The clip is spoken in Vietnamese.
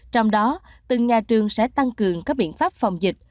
trong đó từng nhà trường sẽ tăng cường các biện pháp phòng dịch